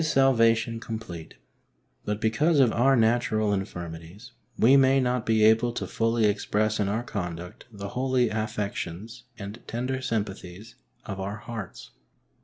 salvation complete, but because of our natural infirmities we may not be able to fully express in our conduct the holy affections and tender sympathies of our hearts.